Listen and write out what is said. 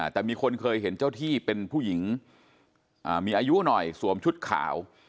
แต่มีคนเคยเห็นเจ้าที่เป็นผู้หญิงมีอายุหน่อยสวมชุดขาว